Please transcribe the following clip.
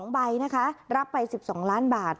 ๒ใบนะคะรับไป๑๒ล้านบาท